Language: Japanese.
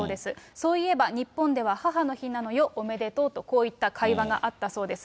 そういえば日本では母の日なのよ、おめでとうと、こういった会話があったそうです。